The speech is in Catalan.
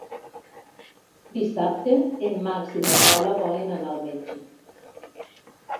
Dissabte en Max i na Paula volen anar al metge.